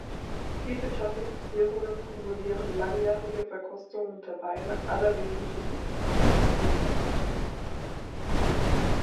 Diese Klassifizierungen kumulieren langjährige Verkostungen der Weine aller wesentlichen österreichischen Weingüter.